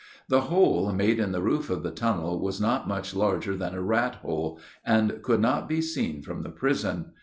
The hole made in the roof of the tunnel was not much larger than a rat hole and could not be seen from the prison.